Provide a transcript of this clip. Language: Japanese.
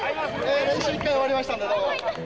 練習１回終わりましたんで、どうも。